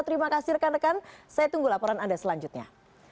terima kasih rekan rekan saya tunggu laporan anda selanjutnya